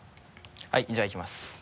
はいじゃあいきます。